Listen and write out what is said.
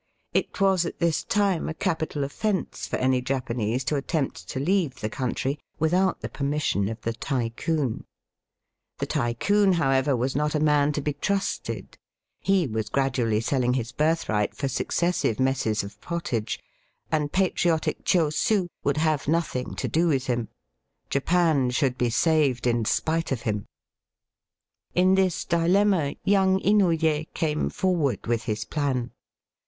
It was at this time a capital offence for any Japanese to attempt to leave the country without the permission of the Tycoon. The Tycoon, however, was not a man to be trusted. Digitized by VjOOQIC A PERSONAL EPISODE IN HISTOBY. 23 He was gradually selling his birthright for successive messes of pottage, and patriotic Chosiu would have nothing to do with him# Japan should be saved in spite of him. In this dilemma young Inouye came forward with his plan.